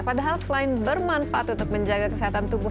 padahal selain bermanfaat untuk menjaga kesehatan tubuh